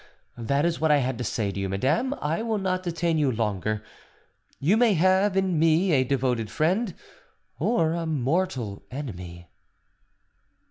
That is what I had to say to you, madame I will not detain you longer. You may have in me a devoted friend or a mortal enemy.